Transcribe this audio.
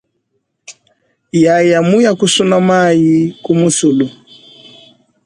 Yaya muya kusuna mayi ku musulu.